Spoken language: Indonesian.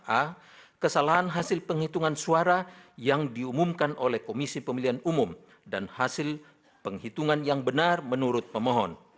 a kesalahan hasil penghitungan suara yang diumumkan oleh komisi pemilihan umum dan hasil penghitungan yang benar menurut pemohon